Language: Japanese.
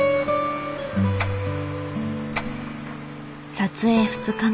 撮影２日目。